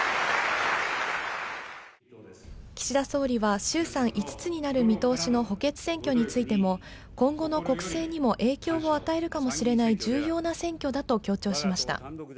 岸田総理は衆参５つになる見通しの補欠選挙についても、今後の国政にも影響を与えるかもしれない重要な選挙だと強調しました。